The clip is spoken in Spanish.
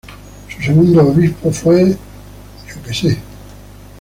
Su segundo obispo fue mons.